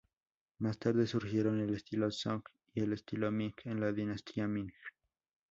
Más tarde surgieron el estilo Song y el estilo Ming en la Dinastía Ming.